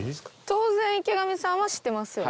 当然池上さんは知ってますよね？